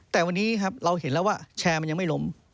แต่วันนี้ครับเราเห็นแล้วว่าแชร์มันยังไม่ล้ม